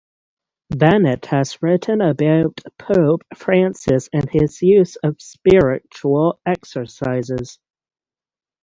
Bennett has written about Pope Francis and his use of Spiritual Exercises.